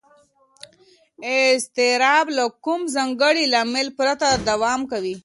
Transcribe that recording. اضطراب له کوم ځانګړي لامل پرته دوام کوي.